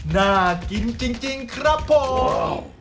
น่ากินจริงครับผม